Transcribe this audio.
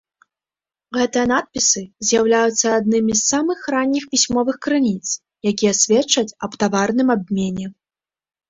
Гэтыя надпісы з'яўляюцца аднымі з самых ранніх пісьмовых крыніц, якія сведчаць аб таварным абмене.